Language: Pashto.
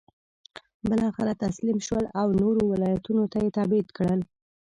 بالاخره تسلیم شول او نورو ولایتونو ته یې تبعید کړل.